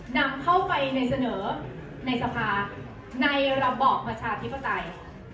นำเข้าไปในเสนอในสภาในระบอบประชาธิปไตย